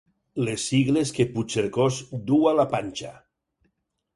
Les sigles que Puigcercós du a la panxa.